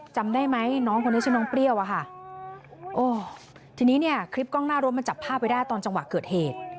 จำได้ไหมน้องคนนี้ชื่อน้องเปรี้ยวอะค่ะโอ้ทีนี้เนี่ยคลิปกล้องหน้ารถมันจับภาพไว้ได้ตอนจังหวะเกิดเหตุ